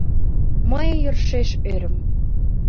Мый йӧршеш ӧрым.